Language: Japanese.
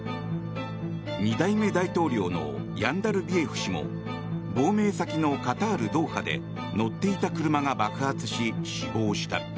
２代目大統領のヤンダルビエフ氏も亡命先のカタール・ドーハで乗っていた車が爆発し死亡した。